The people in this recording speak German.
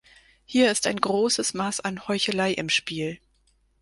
Hier ist ein großes Maß an Heuchelei im Spiel.